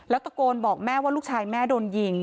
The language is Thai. ตะโกนบอกแม่ว่าลูกชายแม่โดนยิง